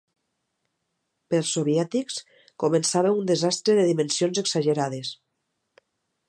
Pels soviètics, començava un desastre de dimensions exagerades.